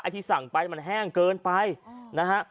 ที่สั่งไปมันแห้งเกินไปนะฮะ